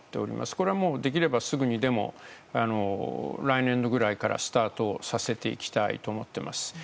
これは、できればすぐにでも来年度ぐらいからスタートさせていきたいと思っております。